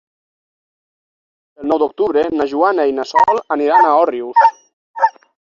El nou d'octubre na Joana i na Sol aniran a Òrrius.